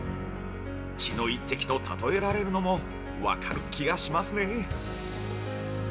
「血の一滴」と例えられるのも分かる気がしますね。